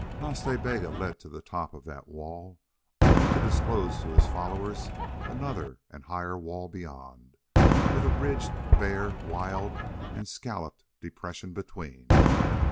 Nas Ta Bega led to the top of that wall, only to disclose to his followers another and a higher wall beyond, with a ridged, bare, wild, and scalloped depression between.